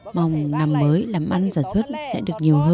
mong năm mới làm ăn sản xuất sẽ được nhiều hơn